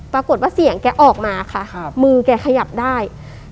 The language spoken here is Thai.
ปรากฏว่าเสียงแกออกมาค่ะมือแกขยับได้